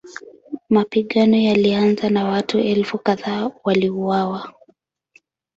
Mapigano yalianza na watu elfu kadhaa waliuawa.